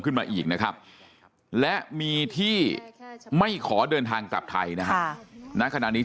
ขึ้นมาอีกนะครับและมีที่ไม่ขอเดินทางกลับไทยนะฮะณขณะนี้